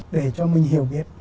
để cho mình hiểu biết